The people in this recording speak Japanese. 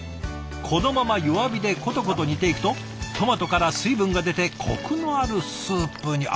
このまま弱火でコトコト煮ていくとトマトから水分が出てコクのあるスープに。